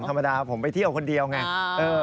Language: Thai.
ธรรมดาผมไปเที่ยวคนเดียวไง